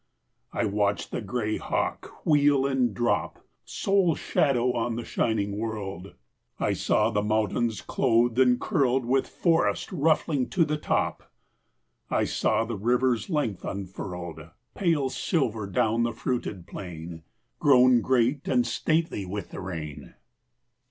I watched the gray hawk wheel and drop, Sole shadow on the shining world; I saw the mountains clothed and curled, With forest ruffling to the top; I saw the river's length unfurled, Pale silver down the fruited plain, Grown great and stately with the rain.